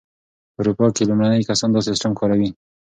په اروپا کې لومړني کسان دا سیسټم کاروي.